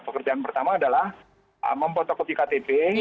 pekerjaan pertama adalah memfotokopi ktp